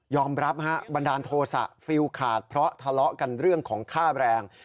ยอมรับฮะบันดาลโทษภาพฟิวขาดเพราะทะเลาะกันเรื่องของค่าแรง